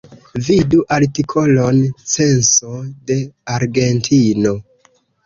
Vidu artikolon Censo de Argentino.